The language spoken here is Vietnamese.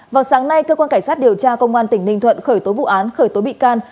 vào sáng nay cơ quan cảnh sát điều tra công an tỉnh ninh thuận khởi tố vụ án khởi tố bị can